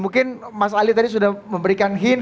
mungkin mas ali tadi sudah memberikan hin